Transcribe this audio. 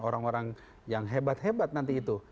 orang orang yang hebat hebat nanti itu